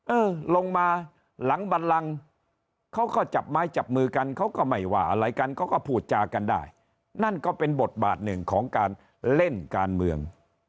เออลงมาหลังบันลังเขาก็จับไม้จับมือกันเขาก็ไม่ว่าอะไรกันเขาก็พูดจากันได้นั่นก็เป็นบทบาทหนึ่งของการเล่นการเมือง